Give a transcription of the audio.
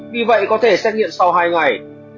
vì vậy có thể xét nghiệm sau hai ngày